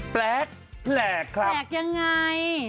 แปลกแปลกครับแปลกยังไง